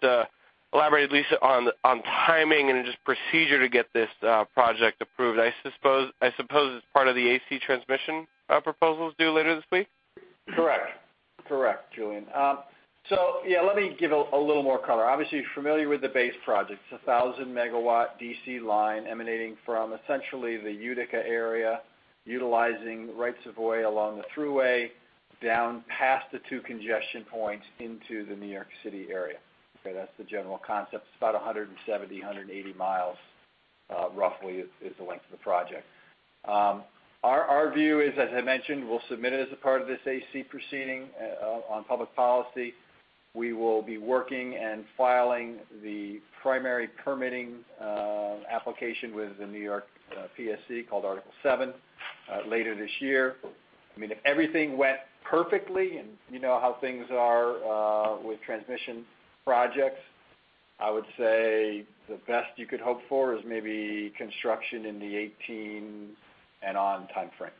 elaborate at least on timing and just procedure to get this project approved. I suppose it's part of the AC transmission proposals due later this week? Correct. Julien. Let me give a little more color. Obviously, you're familiar with the base project. It's a 1,000-megawatt DC line emanating from essentially the Utica area, utilizing rights of way along the thruway, down past the two congestion points into the New York City area. Okay, that's the general concept. It's about 170, 180 miles, roughly, is the length of the project. Our view is, as I mentioned, we'll submit it as a part of this AC proceeding on public policy. We will be working and filing the primary permitting application with the New York PSC, called Article 7, later this year. If everything went perfectly, and you know how things are with transmission projects, I would say the best you could hope for is maybe construction in the 2018 and on timeframe.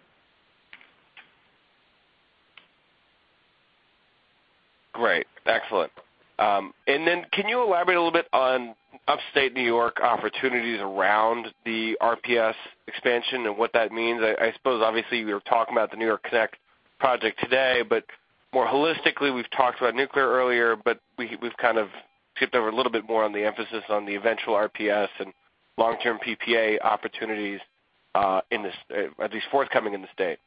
Great. Excellent. Then can you elaborate a little bit on Upstate New York opportunities around the RPS expansion and what that means? I suppose, obviously, we were talking about the Excelsior Connect project today, but more holistically, we've talked about nuclear earlier, but we've kind of skipped over a little bit more on the emphasis on the eventual RPS and long-term PPA opportunities, at least forthcoming in the state.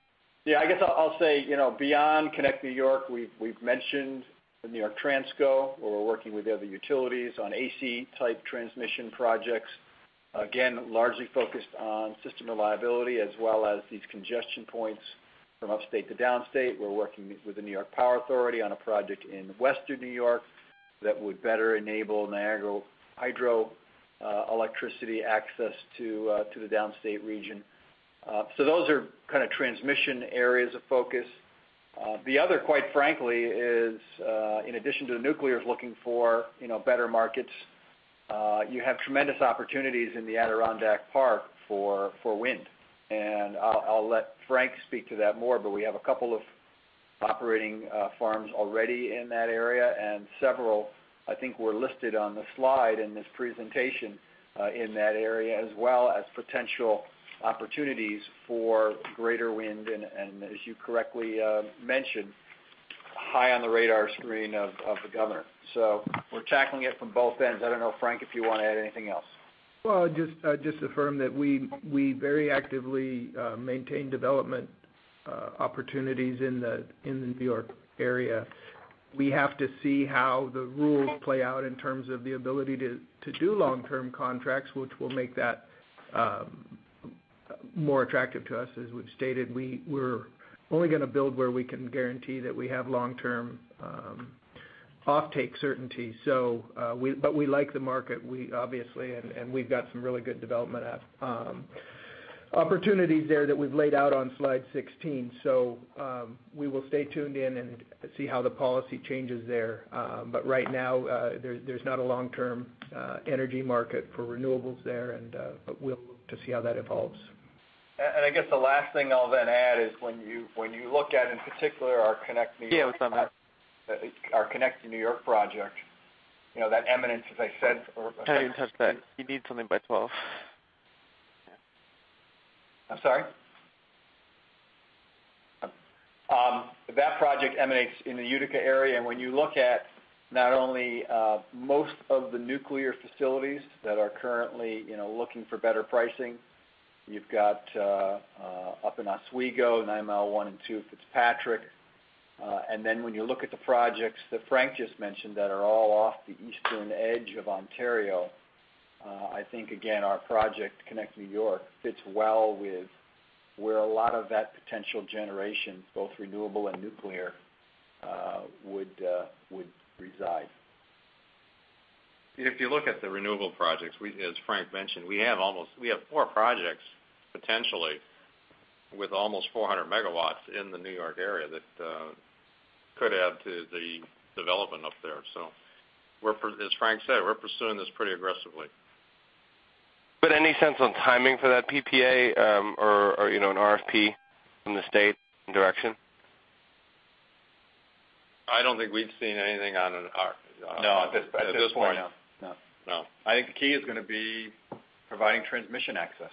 I guess I'll say, beyond Excelsior Connect, we've mentioned the New York Transco, where we're working with the other utilities on AC-type transmission projects. Again, largely focused on system reliability as well as these congestion points from upstate to downstate. We're working with the New York Power Authority on a project in Western New York that would better enable Niagara hydroelectricity access to the downstate region. Those are kind of transmission areas of focus. The other, quite frankly, is in addition to the nuclear is looking for better markets. You have tremendous opportunities in the Adirondack Park for wind. I'll let Frank speak to that more, but we have a couple of operating farms already in that area, and several, I think, were listed on the slide in this presentation in that area, as well as potential opportunities for greater wind, and as you correctly mentioned, high on the radar screen of the governor. We're tackling it from both ends. I don't know, Frank, if you want to add anything else. Well, just affirm that we very actively maintain development opportunities in the New York area. We have to see how the rules play out in terms of the ability to do long-term contracts, which will make that more attractive to us. As we've stated, we're only going to build where we can guarantee that we have long-term offtake certainty. We like the market, obviously, and we've got some really good development opportunities there that we've laid out on slide 16. We will stay tuned in and see how the policy changes there. Right now, there's not a long-term energy market for renewables there, but we'll look to see how that evolves. I guess the last thing I'll then add is when you look at, in particular our Connect New York project, that emanates. I didn't touch that. You need something by 12. I'm sorry? That project emanates in the Utica area. When you look at not only most of the nuclear facilities that are currently looking for better pricing, you've got up in Oswego, Nine Mile Point 1 and 2, Fitzpatrick. Then when you look at the projects that Frank just mentioned that are all off the eastern edge of Ontario, I think, again, our project, Connect New York, fits well with where a lot of that potential generation, both renewable and nuclear, would reside. If you look at the renewable projects, as Frank mentioned, we have four projects potentially with almost 400 megawatts in the New York area that could add to the development up there. As Frank said, we're pursuing this pretty aggressively. Any sense on timing for that PPA, or an RFP from the state direction? I don't think we've seen anything on an R- No, at this point, no. No. I think the key is going to be providing transmission access.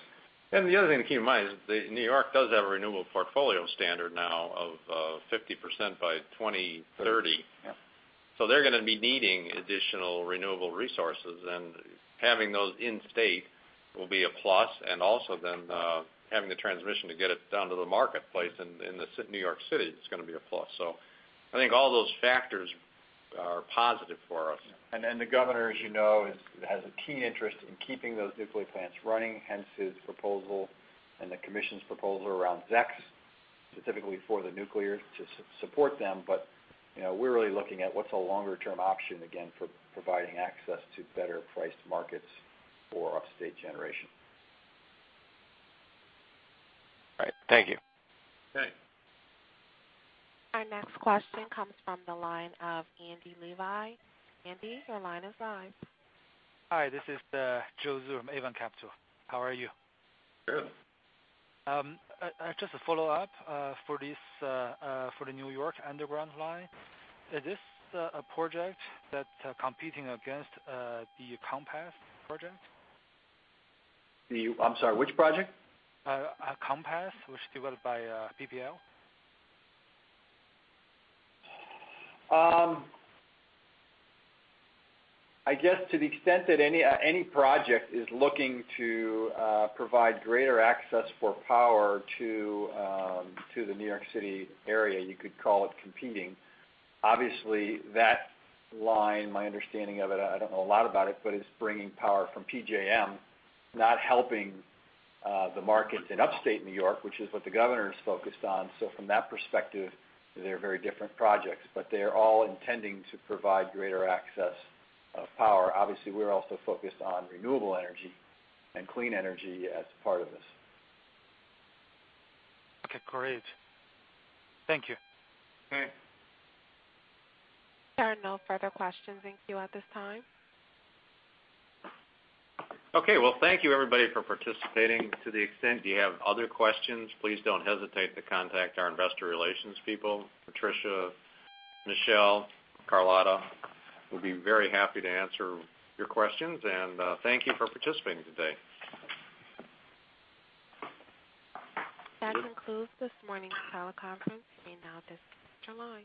The other thing to keep in mind is that New York does have a renewable portfolio standard now of 50% by 2030. Yes. They're going to be needing additional renewable resources, and having those in state will be a plus, and also then having the transmission to get it down to the marketplace in New York City is going to be a plus. I think all those factors are positive for us. The governor, as you know, has a keen interest in keeping those nuclear plants running, hence his proposal and the commission's proposal around ZEC, specifically for the nuclear to support them. We're really looking at what's a longer-term option, again, for providing access to better-priced markets for upstate generation. All right. Thank you. Thanks. Our next question comes from the line of Andy Levi. Andy, your line is live. Hi, this is Joe Zhou from Avon Capital. How are you? Good. Just to follow up, for the New York underground line, is this a project that's competing against the Compass project? I'm sorry, which project? Compass, which developed by PPL. I guess to the extent that any project is looking to provide greater access for power to the New York City area, you could call it competing. Obviously, that line, my understanding of it, I don't know a lot about it, but it's bringing power from PJM, not helping the markets in Upstate New York, which is what the governor is focused on. From that perspective, they're very different projects, but they're all intending to provide greater access of power. Obviously, we're also focused on renewable energy and clean energy as part of this. Okay, great. Thank you. Okay. There are no further questions in queue at this time. Okay. Well, thank you everybody for participating. To the extent you have other questions, please don't hesitate to contact our investor relations people. Patricia, Michelle, Carlotta, we'll be very happy to answer your questions, and thank you for participating today. That concludes this morning's teleconference. You may now disconnect your line.